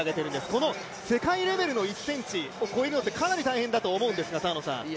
この世界レベルの１ｃｍを超えるのはかなり大変だと思うんですが。